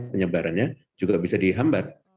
penyebarannya juga bisa dihambat